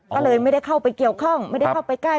ก็เลยไม่ได้เข้าไปเกี่ยวข้องไม่ได้เข้าไปใกล้